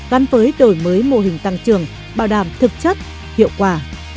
gắn với đổi mới mô hình tăng trường bảo đảm thực chất hiệu quả